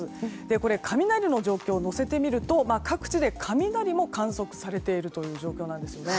これ雷の状況を乗せてみると各地で雷も観測されている状況です。